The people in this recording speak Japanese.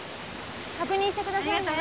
確認してくださいね。